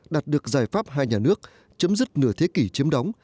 đạt được giải pháp hai nhà nước chấm dứt nửa thế kỷ chiếm đóng